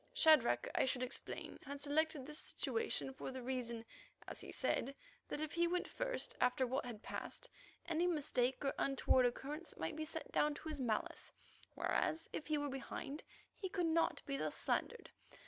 Shadrach, I should explain, had selected this situation for the reason, as he said, that if he went first, after what had passed, any mistake or untoward occurrence might be set down to his malice, whereas, if he were behind, he could not be thus slandered.